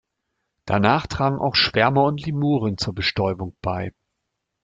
Danach tragen auch Schwärmer und Lemuren zur Bestäubung bei.